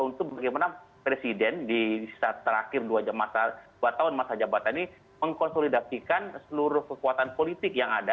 untuk bagaimana presiden di saat terakhir dua tahun masa jabatan ini mengkonsolidasikan seluruh kekuatan politik yang ada